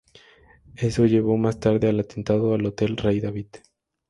Eso llevó más tarde al Atentado al Hotel Rey David.